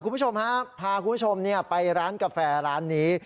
คุณผู้ชมฮะพาคุณผู้ชมไปร้านกาแฟร้านนี้